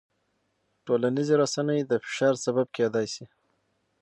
ټولنیزې رسنۍ د فشار سبب کېدای شي.